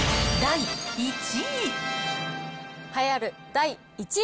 第１位。